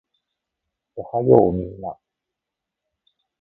おはようみんな